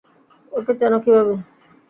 ওকে চেনো কীভাবে?